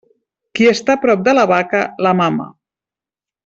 Qui està prop de la vaca, la mama.